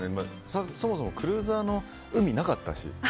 そもそもクルーザーの海なかったし。